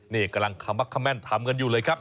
นี่กำลังทำกันอยู่เลยครับ